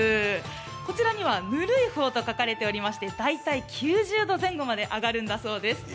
こちらにはぬるい方と書かれていまして大体９０度前後まで上がるんだそうです。